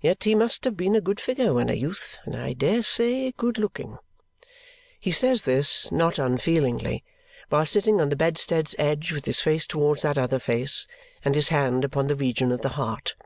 Yet he must have been a good figure when a youth, and I dare say, good looking." He says this, not unfeelingly, while sitting on the bedstead's edge with his face towards that other face and his hand upon the region of the heart.